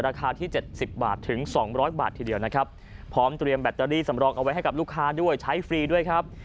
ราคาที่๗๐บาทถึงสองร้อยบาททีเดียวนะครับพร้อมเตรียมแบตเตอรี่สำรองเอาไว้ให้กับลูกค้าด้วยใช้ฟรีด้วยครับ